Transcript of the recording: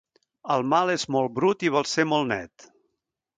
El mal és molt brut i vol ser molt net.